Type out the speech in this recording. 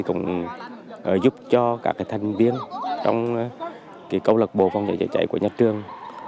cũng giúp cho các thành viên trong cơ lạc bộ phòng cháy trựa cháy của nhà trường